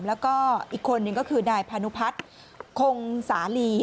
แล้วก็อีกคนนึงก็คือนายพานุพัฒน์คงสาลี